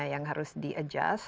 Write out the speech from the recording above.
yang harus di adjust